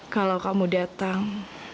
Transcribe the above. kalau kamu datang